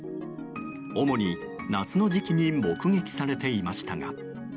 主に夏の時期に目撃されていましたが。